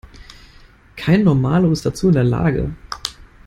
Kein Normalo ist dazu in der Lage.